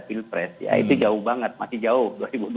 pilpres ya itu jauh banget masih jauh